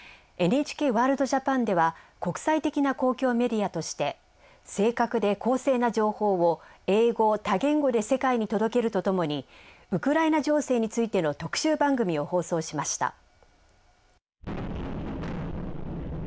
「ＮＨＫワールドＪＡＰＡＮ」では国際的な公共メディアとして正確で公正な情報を英語・多言語で世界に届けるとともにウクライナ情勢についての特集番組を放送しました。